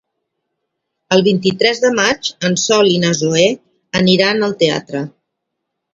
El vint-i-tres de maig en Sol i na Zoè aniran al teatre.